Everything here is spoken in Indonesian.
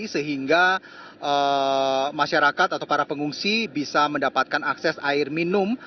sehingga masyarakat atau para pengungsi bisa mendapatkan akses air minum